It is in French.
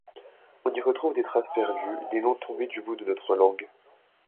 On y retrouve des traces perdues, des noms tombés du bout de notre langue.